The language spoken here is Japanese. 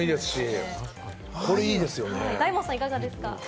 大門さん、いかがですか？